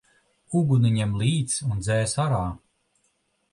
Uguni ņem līdz un dzēs ārā!